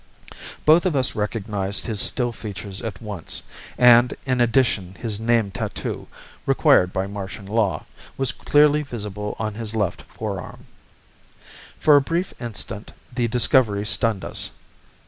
Both of us recognized his still features at once, and in addition his name tattoo, required by Martian law, was clearly visible on his left forearm. For a brief instant the discovery stunned us.